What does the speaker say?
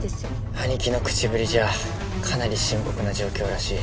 兄貴の口ぶりじゃかなり深刻な状況らしい。